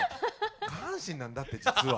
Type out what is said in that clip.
下半身なんだって実は。